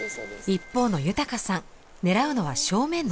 一方の豊さん狙うのは正面の的。